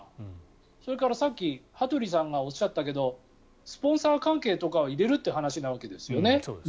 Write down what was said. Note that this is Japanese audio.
それから、さっき羽鳥さんがおっしゃったけどスポンサー関係とかは入れるっていう話ですよね。